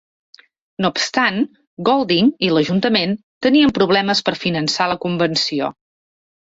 No obstant, Golding i l'ajuntament tenien problemes per finançar la convenció.